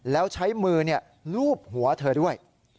แล้วใช้มือลูบหัวเธอด้วย